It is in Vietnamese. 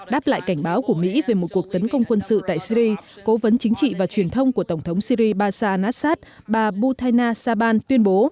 đáp lại cảnh báo của mỹ về một cuộc tấn công quân sự tại syri cố vấn chính trị và truyền thông của tổng thống syri basa nasat bà butana saban tuyên bố